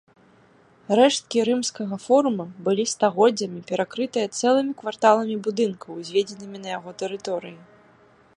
Рэшткі рымскага форума былі стагоддзямі перакрытыя цэлымі кварталамі будынкаў, узведзенымі на яго тэрыторыі.